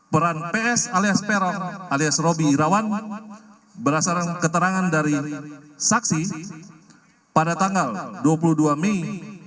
peran ps alias peron alias roby irawan berdasarkan keterangan dari saksi pada tanggal dua puluh dua mei dua ribu dua puluh